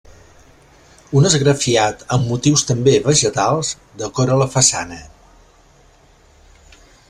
Un esgrafiat amb motius també vegetals, decora la façana.